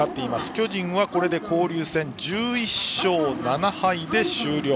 巨人はこれで交流戦１１勝７敗で終了。